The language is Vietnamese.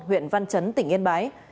huyện văn trấn tỉnh yên bái